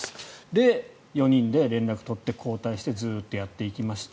で、４人で連絡を取って交代してずっとやっていきました。